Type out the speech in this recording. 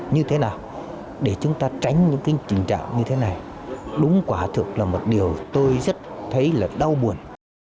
như thế nào để chúng ta tránh những trình trạng như thế này đúng quả thực là một điều tôi rất thấy là đau buồn